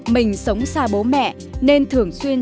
mình sống xa bố mẹ nên thường xuyên